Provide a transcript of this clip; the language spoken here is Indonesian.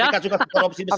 kita suka korupsi besar ya